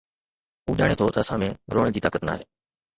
هو ڄاڻي ٿو ته اسان ۾ روئڻ جي طاقت ناهي